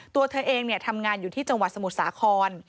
ตัวเธอเองทำงานอยู่ที่จังหวัดสมุทรสาคร